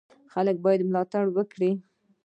خلک باید ملاتړ وکړي.